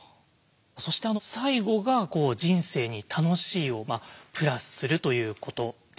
そして最後が「人生に『楽しい』をプラス」するということです。